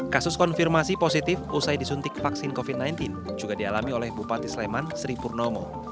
kasus konfirmasi positif usai disuntik vaksin covid sembilan belas juga dialami oleh bupati sleman sri purnomo